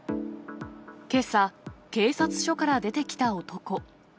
けさ、警察署から出てきた男。